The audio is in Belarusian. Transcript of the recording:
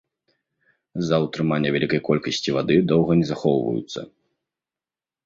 З-за ўтрымання вялікай колькасці вады доўга не захоўваюцца.